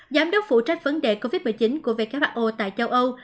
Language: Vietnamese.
giám đốc phụ trách vấn đề covid một mươi chín của who tại châu âu